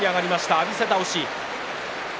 浴びせ倒し。